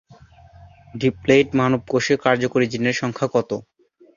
Diploid মানবকোষে কার্যকরি জিনের সংখ্যা কত?